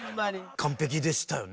完璧でしたよね。